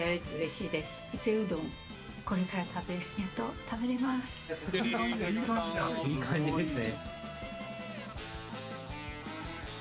いい感じですね。